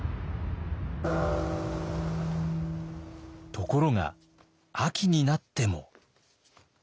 ところが秋になっても。